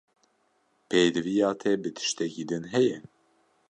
Pêdiviya te bi tiştekî din heye?